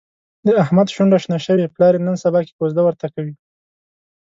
د احمد شونډه شنه شوې، پلار یې نن سباکې کوزده ورته کوي.